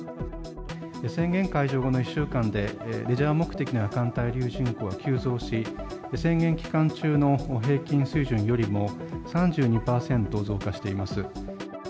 宣言解除後の１週間で、レジャー目的の夜間滞留人口は急増し、宣言期間中の平均水準よりも３２％増加しています。